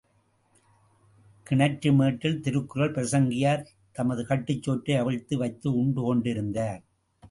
கிணற்று மேட்டில் திருக்குறள் பிரசங்கியார் தமது கட்டுச் சோற்றை அவிழ்த்து வைத்து உண்டு கொண்டிருந்தார்.